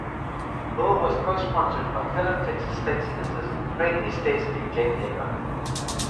The bill was co-sponsored by fellow Texas state senators Craig Estes and Glenn Hegar.